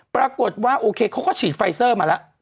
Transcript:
ปรากฏว่าโอเคเขาก็ฉีดไฟเซอร์มาแล้ว